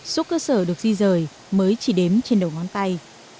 số cơ sở được di rời mới chỉ đếm trên đầu ngón tay